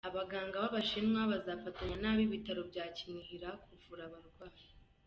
Abaganga b’Abashinwa bazafatanya n’ab’ibitaro bya kinihira kuvura abarwayi.